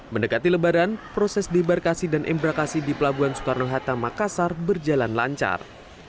mendekati lebaran proses debarkasi dan embakasi di pelabuhan soekarno hatta makassar berjalan lancar